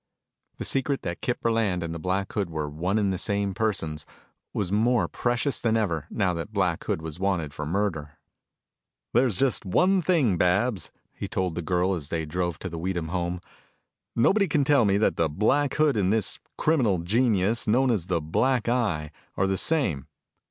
The secret that Kip Burland and the Black Hood were one and the same persons was more precious than ever, now that Black Hood was wanted for murder. "There's just one thing, Babs," he told the girl as they drove to the Weedham home, "nobody can tell me that Black Hood and this criminal genius known as the Eye are the same.